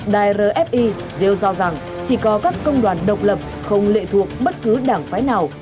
đài rfi rêu ro rằng chỉ có các công đoàn độc lập không lệ thuộc bất cứ đảng phái nào